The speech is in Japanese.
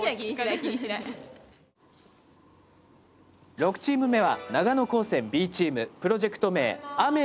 ６チーム目は長野高専Ｂチームプロジェクト名「雨のミュージカル」です。